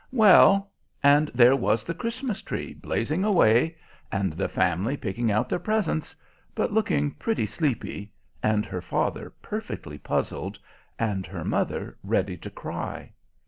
Well, and there was the Christmas tree blazing away, and the family picking out their presents, but looking pretty sleepy, and her father perfectly puzzled, and her mother ready to cry.